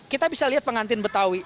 kita bisa lihat pengantin betawi